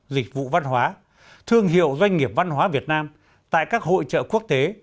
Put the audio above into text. dịch vụ văn hóa thương hiệu doanh nghiệp văn hóa việt nam tại các hội trợ quốc tế